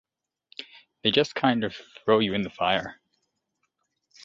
They just kind of throw you in the fire.